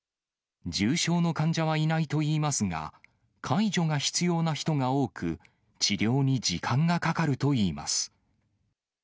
重症の患者はいないといいますが、介助が必要な人が多く、治療に時間がかかるといいます。